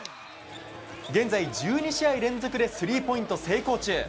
現在、１２試合連続でスリーポイント成功中。